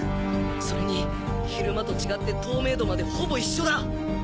それに昼間と違って透明度までほぼ一緒だ